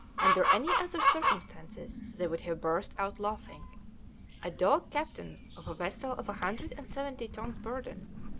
Under any other circumstances they would have burst out laughing. A dog captain of a vessel of a hundred and seventy tons burden!